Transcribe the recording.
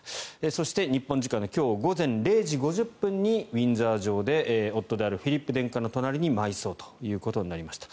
そして日本時間の今日午前０時５０分にウィンザー城で夫であるフィリップ殿下の隣に埋葬となりました。